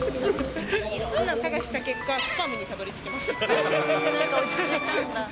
いろんなの探した結果、スパムにたどりつきました。